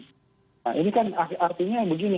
nah ini kan artinya begini